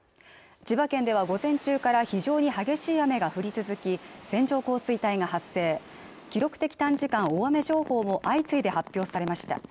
千葉県では午前中から非常に激しい雨が降り続き線状降水帯が発生記録的短時間大雨情報も相次いで発表されました